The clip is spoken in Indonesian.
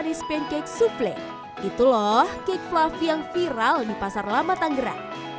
dia punya kek kek kek yang viral di pasar lama tangerang